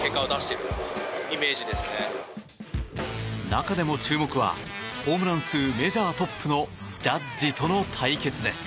中でも注目はホームラン数メジャートップのジャッジとの対決です。